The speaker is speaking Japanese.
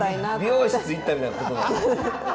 美容室行ったみたいなことですね。